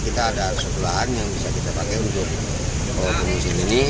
kita ada kesepuluhan yang bisa kita pakai untuk pengusin ini